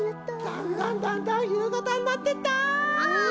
だんだんだんだんゆうがたになってった。